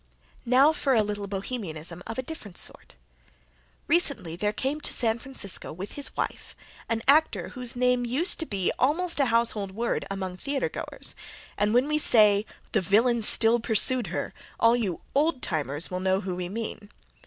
Now for a little Bohemianism of a different sort: Recently there came to San Francisco, with his wife, an actor whose name used to be almost a household word among theater goers, and when we say "the villain still pursued her," all you old timers will know whom we mean.